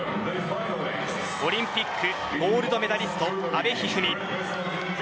オリンピックゴールドメダリスト阿部一二三。